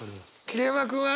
桐山君は？